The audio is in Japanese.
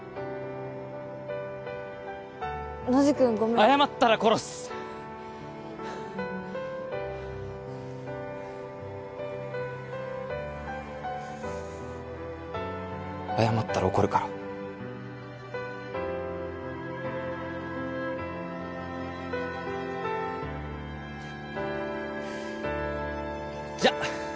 ノジ君ごめ謝ったら殺す謝ったら怒るからじゃあ